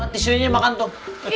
tisirnya makan tuh